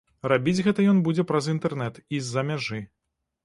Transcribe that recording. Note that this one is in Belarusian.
Рабіць гэта ён будзе праз інтэрнэт і з-за мяжы.